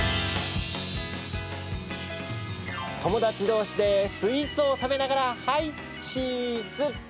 友達同士でスイーツを食べながら、はい、チーズ！